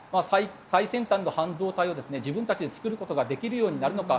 最先端の半導体を自分たちで作ることができるようになるのか。